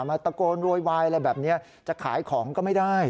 มาตะโกนโวยวายอะไรแบบนี้จะขายของก็ไม่ได้